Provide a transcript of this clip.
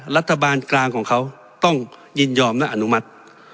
รัฐบาลกลางของเขาต้องยินยอมและอนุมัติ